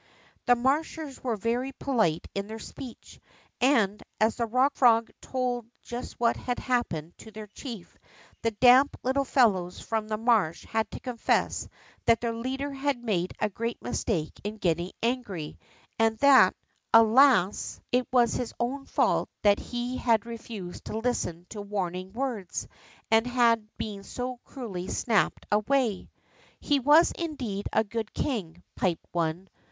The Marshers were very polite in their speech, and, as the Kock Frog told just what had happened to their chief, the damp little fellows from the marsh had to confess that their leader had made a great mistake in getting so angry, and tliat, alas !" A GREAT SQUAD OF FROGS WAS SEEN HOPPING ALONG." THE MABSH FROG 87 it was his own fault that he had refused to listen to warning words^ and had been so cruelly snapped away. " lie was indeed a good king/' piped one.